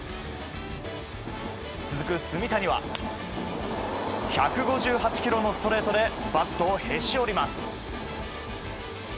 続く炭谷は１５８キロのストレートでバットをへし折ります。